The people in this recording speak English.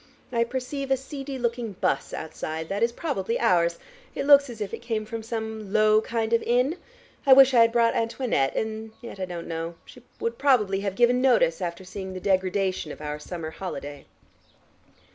I perceive a seedy looking 'bus outside. That is probably ours. It looks as if it came from some low kind of inn. I wish I had brought Antoinette. And yet I don't know. She would probably have given notice after seeing the degradation of our summer holiday."